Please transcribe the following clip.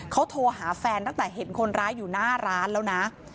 เขาโทรหาแฟนตั้งแต่เห็นคนร้ายอยู่หน้าร้านแล้วนะ